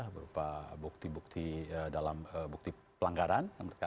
berupa bukti bukti dalam bukti pelanggaran